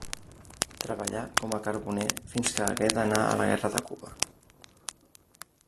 Treballà com a carboner fins que hagué d'anar a la Guerra de Cuba.